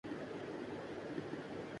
اسیر ہوتے ہیں